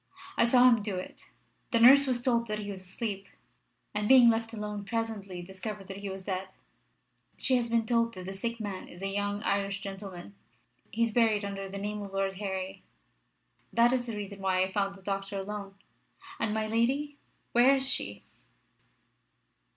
I saw him do it. The nurse was told that he was asleep, and being left alone presently discovered that he was dead. She has been told that the sick man is a young Irish gentleman. He is buried under the name of Lord Harry. That is the reason I found the doctor alone. And my lady? Where is she?"